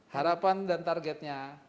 harapan dan targetnya